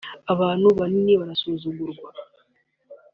“abantu banini barasuzugurwa